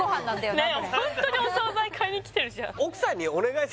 これホントにお惣菜買いに来てるじゃん